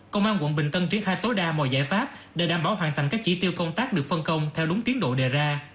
công an quận bình tân triển khai tối đa mọi giải pháp để đảm bảo hoàn thành các chỉ tiêu công tác được phân công theo đúng tiến độ đề ra